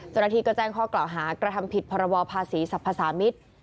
เจ้าหน้าที่ก็แจ้งข้อกล่าวหากระทำผิดพรบภาษีสรรพสามิตร